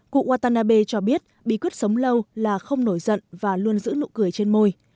cụ watanabe cho biết bí quyết sống lâu là không nổi giận và luôn giữ nụ cười trên môi